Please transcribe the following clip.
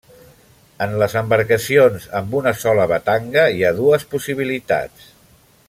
En les embarcacions amb una sola batanga hi ha dues possibilitats.